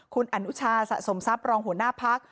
คุณอนุชาสะสมทรัพย์รองหัวหน้าพัก